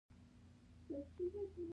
منصفه پلاوي جوړه محکمه هم موجوده وه.